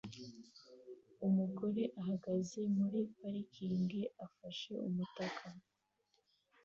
Umugore ahagaze muri parikingi afashe umutaka